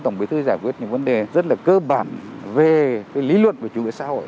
tổng bí thư giải quyết những vấn đề rất là cơ bản về lý luận và chủ nghĩa xã hội